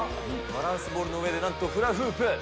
バランスボールの上で、なんとフラフープ。